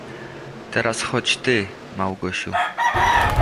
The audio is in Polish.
"Teraz chodź ty, Małgosiu."